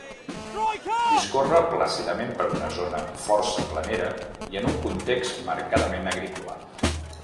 Discorre plàcidament per una zona força planera i en un context marcadament agrícola.